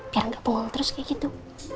biar nggak bongol terus kayak gitu